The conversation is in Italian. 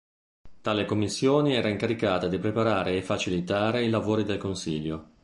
Tale commissione era incaricata di preparare e facilitare i lavori del Consiglio.